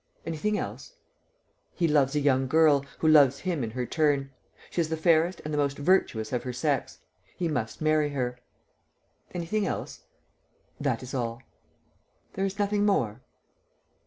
"Anything else?" "He loves a young girl, who loves him in her turn. She is the fairest and the most virtuous of her sex. He must marry her." "Anything else?" "That is all." "There is nothing more?"